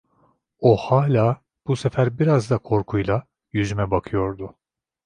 O hâlâ, bu sefer biraz da korkuyla, yüzüme bakıyordu.